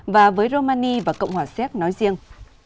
và với romani và cộng hòa xéc nói riêng